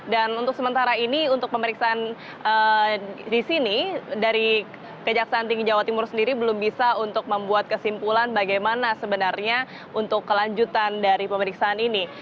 dan di sini dari kejaksaan tinggi jawa timur sendiri belum bisa untuk membuat kesimpulan bagaimana sebenarnya untuk kelanjutan dari pemeriksaan ini